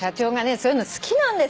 そういうの好きなんですよ」